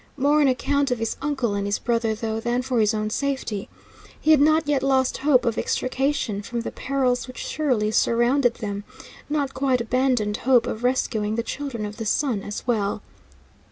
More on account of his uncle and his brother, though, than for his own safety. He had not yet lost hope of extrication from the perils which surely surrounded them, not quite abandoned hope of rescuing the Children of the Sun as well.